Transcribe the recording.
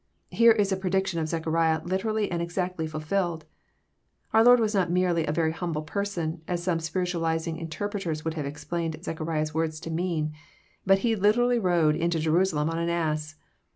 Here is a prediction of Zechariah literally and exactly fulfilled. Our Lord was not merely a very humble person, as some spiritualizing interpreters would have explained Zechariah's words to mean, but He literally rode into Jerusalem on an ass.